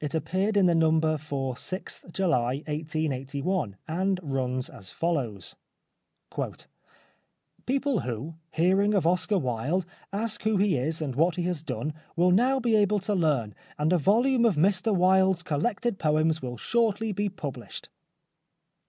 It appeared in the number for 6th July 1881, and runs as follows :" People who, hearing of Mr Oscar Wilde, ask who he is and what he has done, will now be able to learn, as a volume of Mr Wilde's collected poems will shortly be published."